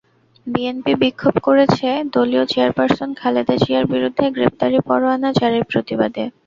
BNP বিক্ষোভ করেছে দলীয় চেয়ারপারসন খালেদা জিয়ার বিরুদ্ধে গ্রেপ্তারি পরোয়ানা জারির প্রতিবাদে।